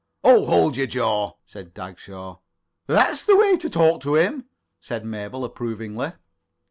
"Oh, hold your jaw," said Dagshaw. "That's the way to talk to him," said Mabel approvingly.